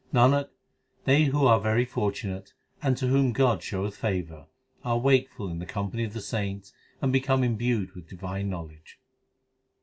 Nanak, they who are very fortunate, and to whom God showeth favour, Are wakeful in the company of the saints, and become imbued with divine knowledge.